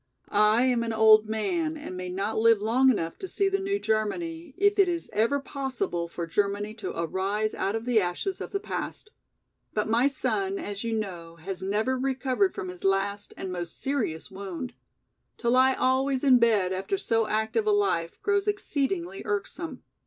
I am an old man and may not live long enough to see the new Germany if it is ever possible for Germany to arise out of the ashes of the past. But my son, as you know, has never recovered from his last and most serious wound. To lie always in bed after so active a life, grows exceedingly irksome.